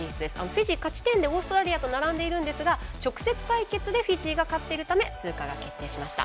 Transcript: フィジー、勝ち点でオーストラリアと並んでいるんですが直接対決でフィジーが勝っているため通過が決定しました。